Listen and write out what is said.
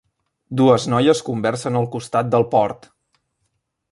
Dues noies conversen al costat del port.